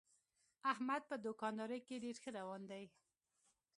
احمد په دوکاندارۍ کې ډېر ښه روان دی.